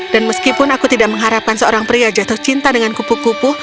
dan meskipun aku tidak mengharapkan seorang pria jatuh cinta dengan kupu kupu